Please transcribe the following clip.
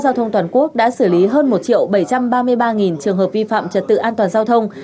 giao thông toàn quốc đã xử lý hơn một bảy trăm ba mươi ba trường hợp vi phạm trật tự an toàn giao thông